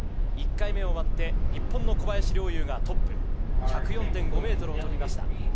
１回目を終わって日本の小林陵侑がトップ、１０４．５ｍを飛びました。